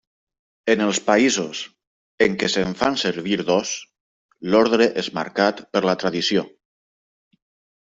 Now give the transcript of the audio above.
En els països en què se'n fan servir dos, l'ordre és marcat per la tradició.